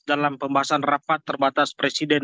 dalam pembahasan rapat terbatas presiden